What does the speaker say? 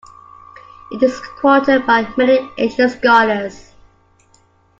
It is quoted by many ancient scholars.